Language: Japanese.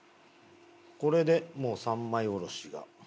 これでもう三枚下ろしが。